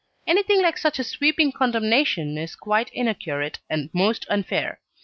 Anything like such a sweeping condemnation is quite inaccurate and most unfair.